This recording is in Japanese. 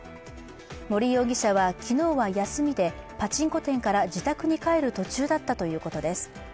森容疑者は昨日は休みでパチンコ店から自宅に帰る途中だったということです。